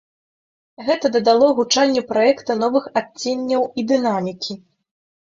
Гэта дадало гучанню праекта новых адценняў і дынамікі.